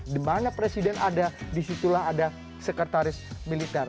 di mana presiden ada di situlah ada sekretaris militer